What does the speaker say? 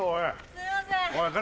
すいません。